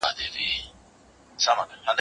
دا سفر له هغه اسانه دی!؟